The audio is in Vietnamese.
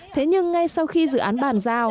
thế nhưng ngay sau khi dự án bàn ra